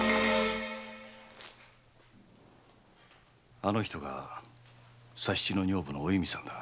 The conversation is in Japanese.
あの女が佐七の女房のお弓さんだ。